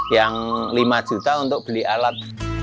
yang lima juta untuk beli alat